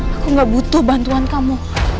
aku gak butuh bantuan kamu